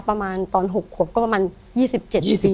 ประมาณตอน๖ขวบก็ประมาณ๒๗ปี